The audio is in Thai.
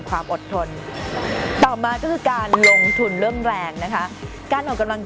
ความอดทนต่อมาก็คือการลงทุนเริ่มแรงนะคะการออกกำลัง